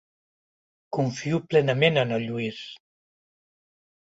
Confio plenament en el Lluís.